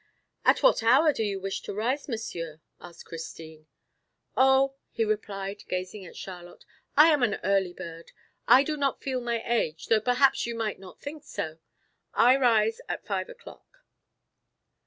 "At what hour do you wish to rise, Monsieur?" asked Christine. "Oh!" he replied gazing at Charlotte, "I am an early bird. I do not feel my age, though perhaps you might not think so. I rise at five o'clock."